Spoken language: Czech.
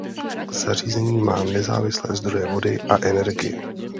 Zařízení má nezávislé zdroje vody a energie.